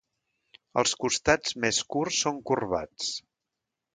Els costats més curts són corbats.